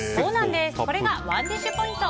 これがＯｎｅＤｉｓｈポイント。